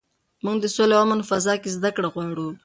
موږ د سولې او امن په فضا کې زده کړه غواړو.